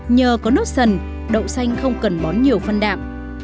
nhờ có nốt sần đậu xanh không cần bón nhiều phân đạm